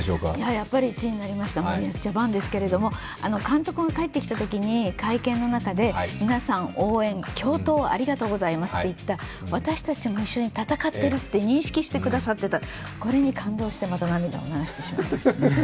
やっぱり１位になりました森保ジャパンですけれども監督が帰ってきたときに会見の中で皆さん、応援、共闘ありがとうございましたと言った私たちも一緒に戦っていると認識してくださっていた、これに感動して、また涙を流してしまいました。